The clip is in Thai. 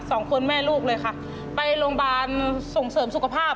สองคนแม่ลูกเลยค่ะไปโรงพยาบาลส่งเสริมสุขภาพ